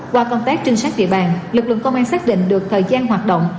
qua công tác trinh sát địa bàn lực lượng công an xác định được thời gian hoạt động